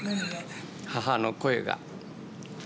母の声が。